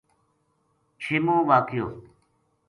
چھیمو واقعو